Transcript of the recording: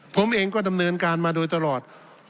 ผมเองก็ดำเนินการมาโดยตลอด